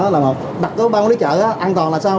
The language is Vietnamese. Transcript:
đặt ở ban quán lý chợ an toàn là sao